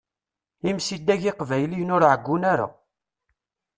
Imsidag iqbayliyen ur ɛeggun ara.